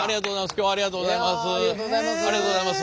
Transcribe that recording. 今日はありがとうございます。